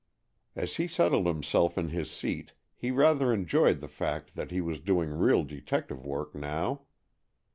As he settled himself in his seat, he rather enjoyed the fact that he was doing real detective work now.